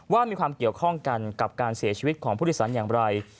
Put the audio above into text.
ว่ามีความเกี่ยวข้องกันกับการเสียชีวิตของผู้โดยสารอย่างไร